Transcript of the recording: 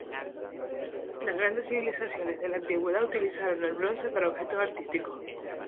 Las grandes civilizaciones de la Antigüedad utilizaron el bronce para objetos artísticos.